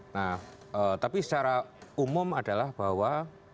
nah tapi secara umum adalah bahwa